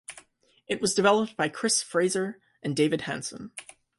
It was developed by Chris Fraser and David Hanson.